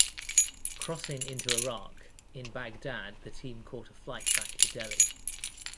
Crossing into Iraq, in Baghdad the team caught a flight back to Delhi.